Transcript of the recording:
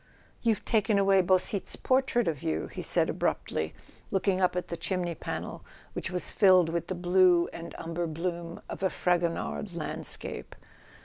"You've taken away Beausite's portrait of you," he said abruptly, looking up at the chimney panel, which was filled with the blue and umber bloom of a Fragonard landscape.